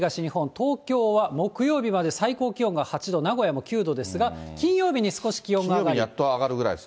東京は木曜日まで最高気温が８度、名古屋も９度ですが、金曜日に少し気温が上がります。